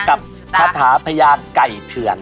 กับคาถาพญาไก่เถื่อน